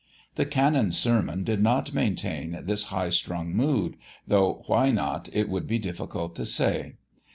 The Canon's sermon did not maintain this high strung mood, though why not it would be difficult to say.